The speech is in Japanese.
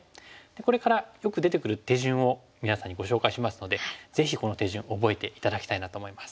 これからよく出てくる手順を皆さんにご紹介しますのでぜひこの手順覚えて頂きたいなと思います。